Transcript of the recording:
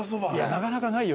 なかなかないよ。